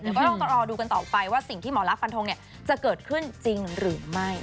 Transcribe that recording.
เดี๋ยวก็ต้องรอดูกันต่อไปว่าสิ่งที่หมอลักษันทงจะเกิดขึ้นจริงหรือไม่